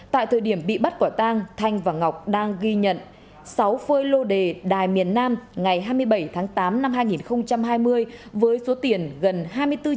tại thời điểm bị bắt quả tang thanh và ngọc đang ghi nhận sáu phơi lô đề đài miền nam ngày hai mươi bảy tháng tám năm hai nghìn